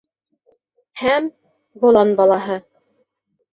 Һәм... болан балаһы.